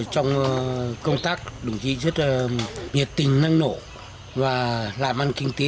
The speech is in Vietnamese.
trong công tác đồng chí rất nhiệt tình năng nổ và làm ăn kinh tế